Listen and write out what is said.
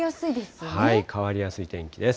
変わりやすい天気です。